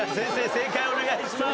正解をお願いします。